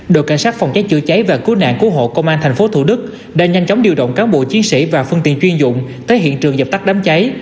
đội cảnh sát phòng cháy chữa cháy và cứu nạn cứu hộ công an tp thủ đức đã nhanh chóng điều động cán bộ chiến sĩ và phương tiện chuyên dụng tới hiện trường dập tắt đám cháy